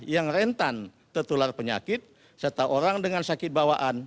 yang rentan tertular penyakit serta orang dengan sakit bawaan